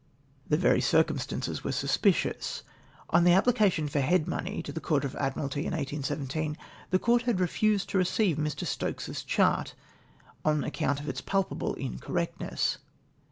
The very circumstances were suspicious. On the application for head money to the Court of Admiralty in 1817, the Court had refused to receive Mr. Stokes's chart, on account of its palpable incorrectness.